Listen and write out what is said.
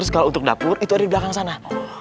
kalau untuk dapur itu ada di belakang sana